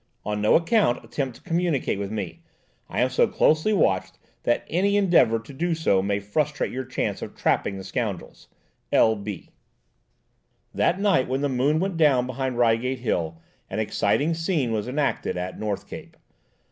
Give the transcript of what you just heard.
On no account attempt to communicate with me; I am so closely watched that any endeavour to do so may frustrate your chance of trapping the scoundrels. L. B." That night when the moon went down behind Reigate Hill an exciting scene was enacted at "North Cape."